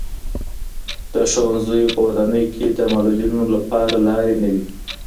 د ښوونځیو په ودانیو کي د معلولینو لپاره لارې نه وي.